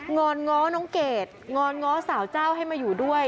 อนง้อน้องเกดงอนง้อสาวเจ้าให้มาอยู่ด้วย